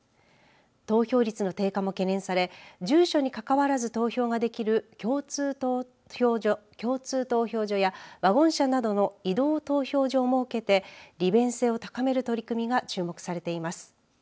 投票率の低下も懸念され住所にかかわらず投票ができる共通投票所やワゴン車などの移動投票所も設けて利便性を高める取り組みが注目されています。